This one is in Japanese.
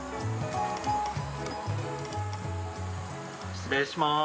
失礼します。